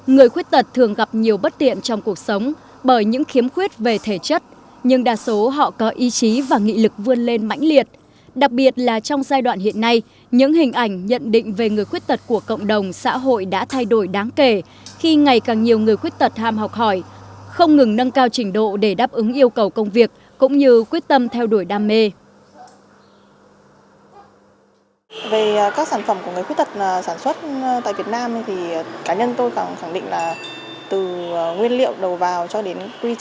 người khuyết tật thường gặp nhiều bất tiện trong cuộc sống bởi những khiếm khuyết về thể chất nhưng đa số họ có ý chí và nghị lực vươn lên mãnh liệt đặc biệt là trong giai đoạn hiện nay những hình ảnh nhận định về người khuyết tật của cộng đồng xã hội đã thay đổi đáng kể khi ngày càng nhiều người khuyết tật ham học hỏi không ngừng nâng cao trình độ để đáp ứng yêu cầu công việc cũng như quyết tâm theo đuổi đam mê